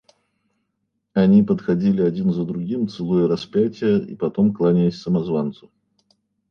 Они подходили один за другим, целуя распятие и потом кланяясь самозванцу.